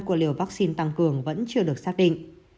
của liều vaccine tăng cường vẫn chưa được xác định